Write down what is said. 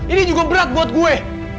ini juga berat buat gue